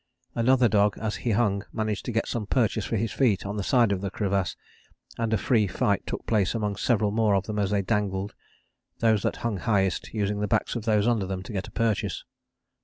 Another dog as he hung managed to get some purchase for his feet on the side of the crevasse, and a free fight took place among several more of them, as they dangled, those that hung highest using the backs of those under them to get a purchase.